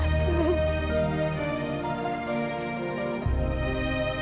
sekarang aku pakai kalung kamu